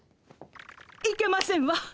いけませんわ。